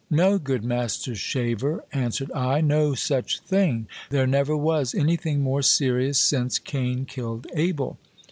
No, good master shaver, answered I, no such thing ; there never was anything more serious since Cain killed Abel.